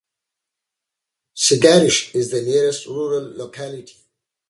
Sygarysh is the nearest rural locality.